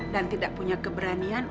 dan tidak punya keberanian